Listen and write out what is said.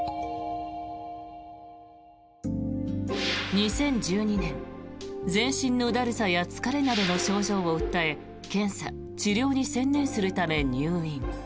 ２０１２年、全身のだるさや疲れなどの症状を訴え検査・治療に専念するため入院。